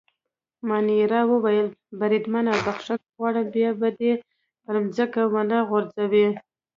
مانیرا وویل: بریدمنه بخښنه غواړم، بیا به دي پر مځکه ونه غورځوو.